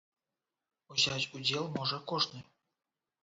Узяць удзел можа кожны.